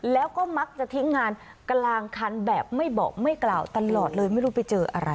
แล้วก็มักจะทิ้งงานกลางคันแบบไม่บอกไม่กล่าวตลอดเลยไม่รู้ไปเจออะไร